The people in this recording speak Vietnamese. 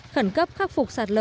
khẩn cấp khắc phục sạt lở